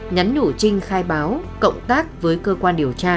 nhắn nhủ trinh khai báo cộng tác với cơ quan điều tra